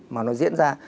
mà nó diễn ra